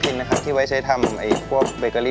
เวลากดใครอะไรอย่างนี้ก็ทำเมนูนี้